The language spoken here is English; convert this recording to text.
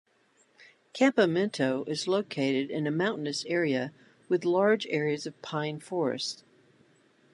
Campamento is located in a mountainous area with large areas of pine forests.